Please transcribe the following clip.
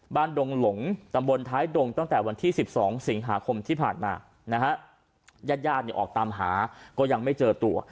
ดงหลงตำบลท้ายดงตั้งแต่วันที่๑๒สิงหาคมที่ผ่านมานะฮะญาติญาติเนี่ยออกตามหาก็ยังไม่เจอตัว